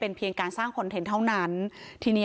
แต่คุณผู้ชมค่ะตำรวจก็ไม่ได้จบแค่ผู้หญิงสองคนนี้